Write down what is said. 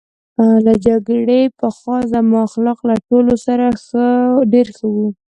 له جګړې پخوا زما اخلاق له ټولو سره ډېر ښه وو